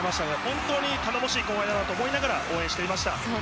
本当に、たのもしい後輩だと思って応援していました。